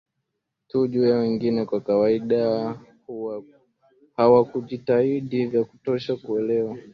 tu juu ya wengine kwa kawaida hawakujitahidi vya kutosha kuelewa